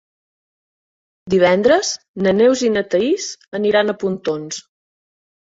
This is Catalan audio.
Divendres na Neus i na Thaís aniran a Pontons.